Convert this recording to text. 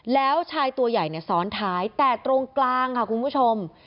แล้วชายตัวใหญ่ซ้อนท้ายแต่ตรงกลางค่ะคุณผู้ชม